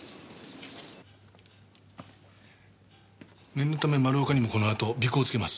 念のため丸岡にもこのあと尾行をつけます。